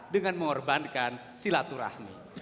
dengan mengorbankan silaturahman